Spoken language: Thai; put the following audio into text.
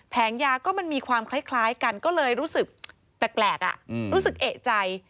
ยาก็มันมีความคล้ายกันก็เลยรู้สึกแปลกรู้สึกเอกใจ